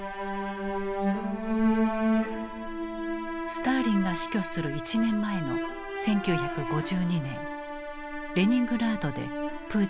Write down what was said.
スターリンが死去する１年前の１９５２年レニングラードでプーチンは生まれた。